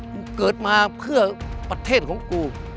มึงเกิดมาเพื่อประเทศของกู